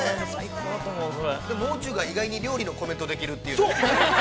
◆もう中が、意外に料理のコメントできるっていう。